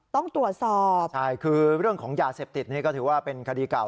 ต้องตรวจสอบใช่คือเรื่องของยาเสพติดนี่ก็ถือว่าเป็นคดีเก่า